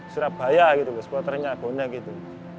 surabaya gitu supporternya bonek gitu